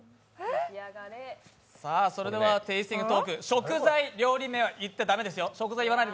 それではテイスティングトーク食材、料理名は言っちゃ駄目ですよ。